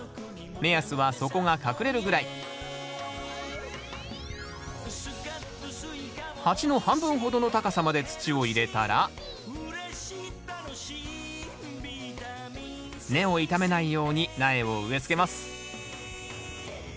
目安は底が隠れるぐらい鉢の半分ほどの高さまで土を入れたら根を傷めないように苗を植えつけます。